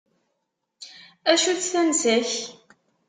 Acu-tt tansa-k?